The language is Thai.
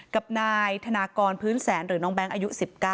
กับนายธนากรพื้นแสนหรือน้องแบงค์อายุ๑๙